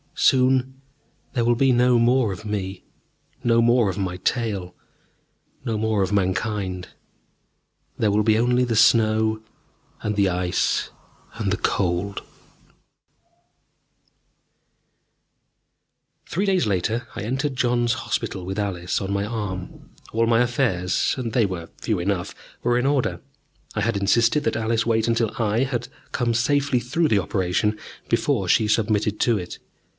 Soon there will be no more of me, no more of my tale no more of Mankind. There will be only the snow, and the ice, and the cold ...Three days later I entered John's Hospital with Alice on my arm. All my affairs and they were few enough were in order. I had insisted that Alice wait until I had come safely through the operation, before she submitted to it.